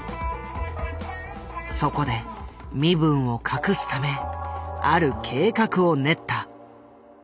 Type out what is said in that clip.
そこで身分を隠すためある計画を練った。